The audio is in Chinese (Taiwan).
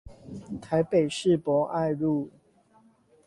台北市博愛路